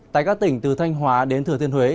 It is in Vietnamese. tại các tỉnh từ thanh hóa đến thừa thiên huế